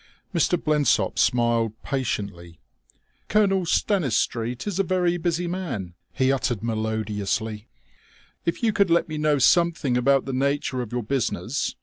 Mr. Blensop smiled patiently. "Colonel Stanistreet is a very busy man," he uttered melodiously. "If you could let me know something about the nature of your business...."